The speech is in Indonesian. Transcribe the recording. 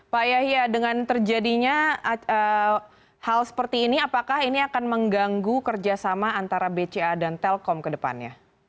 pak yahya dengan terjadinya hal seperti ini apakah ini akan mengganggu kerjasama antara bca dan telkom ke depannya